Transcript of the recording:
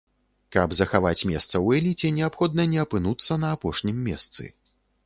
Каб захаваць месца ў эліце, неабходна не апынуцца на апошнім месцы.